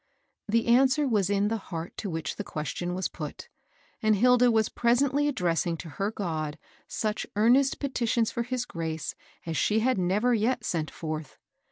The answer was in the heart to which the ques tion was put, and Hilda was presently addressing to her God such earnest petitions for his grace aa she had never yet sent fextiv.